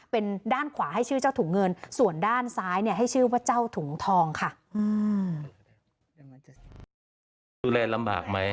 เป็นด้านขวาให้ชื่อเจ้าถุงเงินส่วนด้านซ้ายเนี่ยให้ชื่อว่าเจ้าถุงทองค่ะ